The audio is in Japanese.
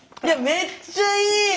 めっちゃいい！